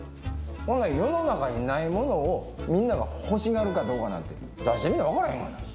ほな世の中にないものをみんなが欲しがるかどうかなんて出してみなわからへんがな。